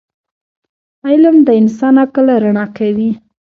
علم د انسان عقل رڼا کوي.